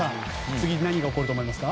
次に何が起こると思いますか。